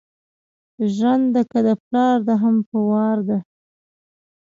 ژېرنده که ده پلار ده هم په وار ده